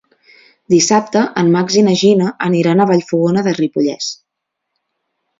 Dissabte en Max i na Gina aniran a Vallfogona de Ripollès.